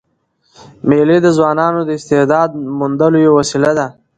مېلې د ځوانانو د استعداد موندلو یوه وسیله ده.